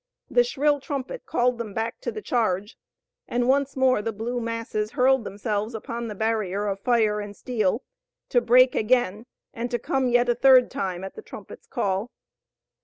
The shrill trumpet called them back to the charge, and once more the blue masses hurled themselves upon the barrier of fire and steel, to break again, and to come yet a third time at the trumpet's call.